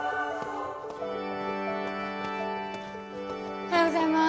おはようございます。